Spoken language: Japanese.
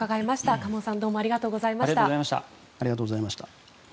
鎌尾さんありがとうございました。